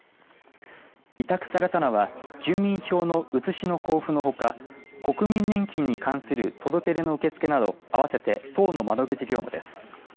委託されたのは住民票の写しの交付のほか国民年金に関する届け出の受け付けなど、合わせて１０の窓口業務です。